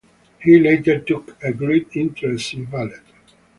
He later took a great interest in ballet.